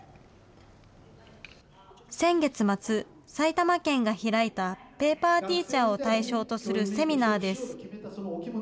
先月末、埼玉県が開いたペーパーティーチャーを対象とするセミナーです。